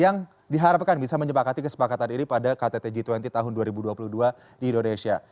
yang diharapkan bisa menyepakati kesepakatan ini pada ktt g dua puluh tahun dua ribu dua puluh dua di indonesia